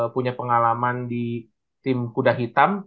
punya pengalaman di tim kuda hitam